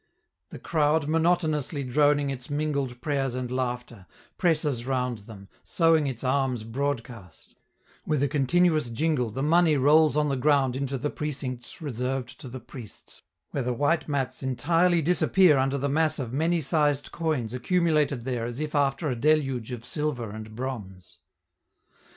The crowd, monotonously droning its mingled prayers and laughter, presses around them, sowing its alms broadcast; with a continuous jingle, the money rolls on the ground into the precincts reserved to the priests, where the white mats entirely f disappear under the mass of many sized coins accumulated there as if after a deluge of silver and bronze.